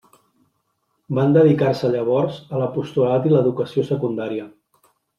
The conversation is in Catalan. Van dedicar-se llavors a l'apostolat i l'educació secundària.